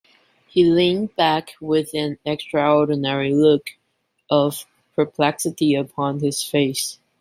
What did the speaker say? He leant back with an extraordinary look of perplexity upon his face.